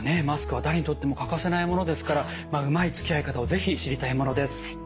マスクは誰にとっても欠かせないものですからうまいつきあい方を是非知りたいものです。